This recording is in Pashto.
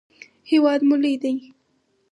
هیواد مو لوی ده.